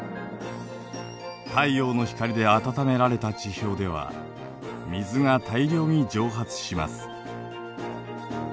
太陽の光で暖められた地表では水が大量に蒸発します。